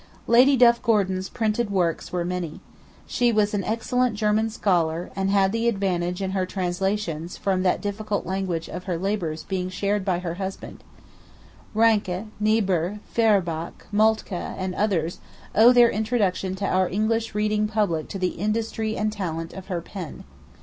'Lady Duff Gordon's printed works were many. She was an excellent German scholar, and had the advantage in her translations from that difficult language of her labours being shared by her husband. Ranke, Niebuhr, Feuerbach, Moltke, and others, owe their introduction to our English reading public to the industry and talent of her pen.